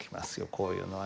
こういうのは。